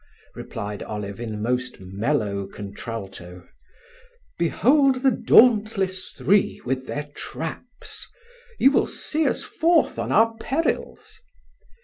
replied Olive in most mellow contralto. "Behold the dauntless three, with their traps! You will see us forth on our perils?"